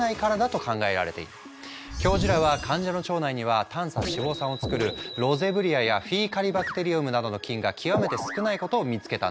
教授らは患者の腸内には短鎖脂肪酸を作るロゼブリアやフィーカリバクテリウムなどの菌が極めて少ないことを見つけたんだ。